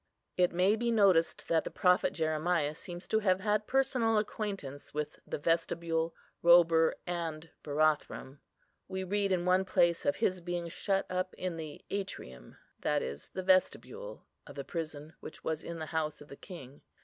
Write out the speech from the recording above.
It may be noticed that the Prophet Jeremiah seems to have had personal acquaintance with Vestibule, Robur, and Barathrum. We read in one place of his being shut up in the "atrium," that is, the vestibule, "of the prison, which was in the house of the king."